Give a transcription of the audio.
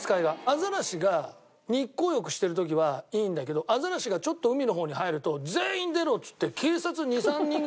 アザラシが日光浴してる時はいいんだけどアザラシがちょっと海の方に入ると。